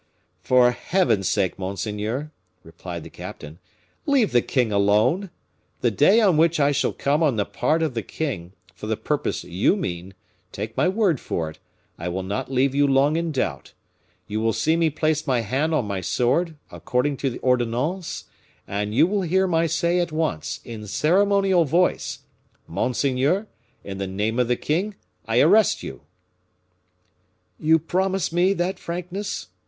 "For Heaven's sake, monseigneur," replied the captain, "leave the king alone! The day on which I shall come on the part of the king, for the purpose you mean, take my word for it, I will not leave you long in doubt. You will see me place my hand on my sword, according to the ordonnance, and you will hear my say at once, in ceremonial voice, 'Monseigneur, in the name of the king, I arrest you!'" "You promise me that frankness?"